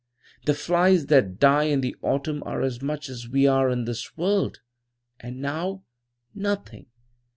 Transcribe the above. The flies that die in the autumn are as much as we are in this world. And now nothing!